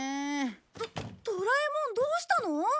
ドドラえもんどうしたの？